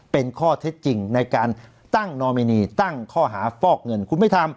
เป็นข้อเท็จจริงในการตั้งนอมินีตั้งข้อหาฟอกเงินคุณไม่ทำ